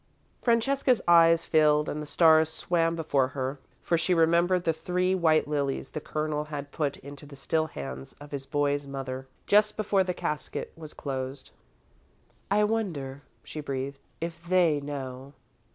'" Francesca's eyes filled and the stars swam before her, for she remembered the three white lilies the Colonel had put into the still hands of his boy's mother, just before the casket was closed. "I wonder," she breathed, "if they know."